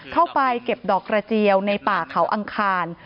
เข้าไปเก็บดอกกระเจียวในป่าเขาอังคาร